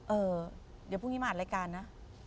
เออเดี๋ยวพรุ่งนี้มาอ่านรายการนะ